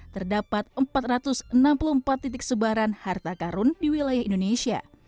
terdapat empat ratus enam puluh empat titik sebaran harta karun di wilayah indonesia